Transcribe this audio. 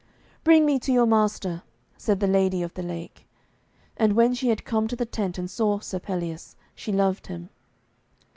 'Bring me to your master,' said the Lady of the Lake. And when she had come to the tent and saw Sir Pelleas, she loved him.